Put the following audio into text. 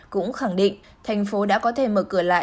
cũng khẳng định thành phố đã có thể mở cửa lại